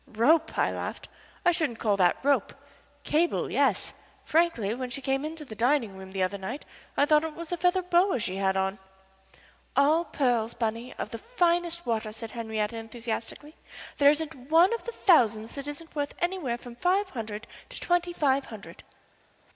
"Rope?" I laughed. "I shouldn't call that rope. Cable, yes frankly, when she came into the dining room the other night I thought it was a feather boa she had on." "All pearls, Bunny, of the finest water," said Henriette, enthusiastically. "There isn't one of the thousands that isn't worth anywhere from five hundred to twenty five hundred."